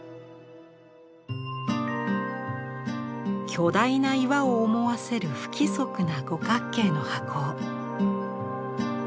巨大な岩を思わせる不規則な五角形の箱。